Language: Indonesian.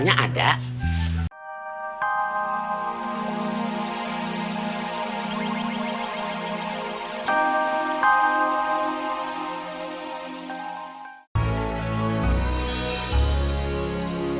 jalan dulu ya